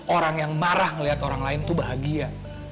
orang yang marah melihat orang lain tuh bahagia